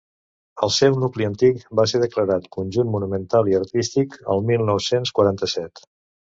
El seu nucli antic va ser declarat Conjunt Monumental i Artístic el mil nou-cents quaranta-set.